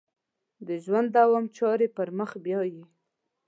د ژوند دوام چارې پر مخ بیایي.